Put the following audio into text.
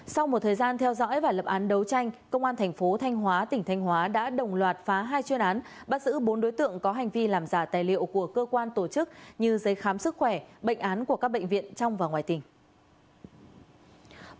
sau một thời gian theo dõi và lập án đấu tranh công an thành phố thanh hóa tỉnh thanh hóa đã đồng loạt phá hai chuyên án bắt giữ bốn đối tượng có hành vi làm giả tài liệu của cơ quan tổ chức như giấy khám sức khỏe bệnh án của các bệnh viện trong và ngoài tỉnh